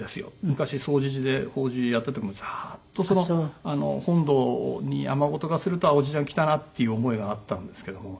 昔總持寺で法事やっててもザーッと本堂に雨音がすると叔父ちゃん来たなっていう思いがあったんですけども。